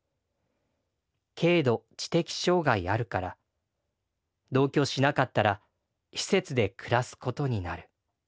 軽度知的障害あるから同居しなかったら施設で暮らすことになる。